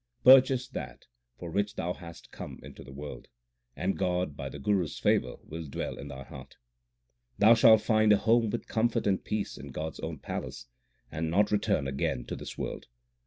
1 Purchase that 2 for which thou hast come into the world, and God by the Guru s favour will dwell in thy heart. Thou shalt find a home with comfort and peace in God s own palace, and not return again to this world.